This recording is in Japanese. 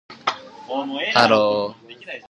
いつもどうりの君でいてね